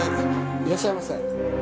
いらっしゃいませ。